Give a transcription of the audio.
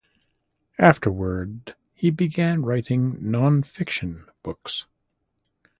Afterward, he began writing non-fiction books.